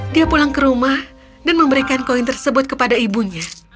dia pulang ke rumah dan memberikan koin tersebut kepada ibunya